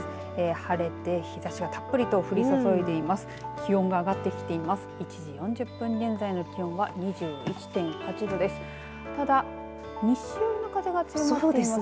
晴れて日ざしはたっぷりと降り注いでいます。